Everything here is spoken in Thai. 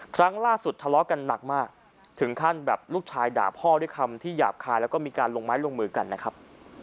ครั้งล่าสุดทะเลาะกันหนักมากถึงขั้นแบบลูกชายด่าพ่อด้วยคำที่หยาบคายแล้วก็มีการลงไม้ลงมือกันนะครับ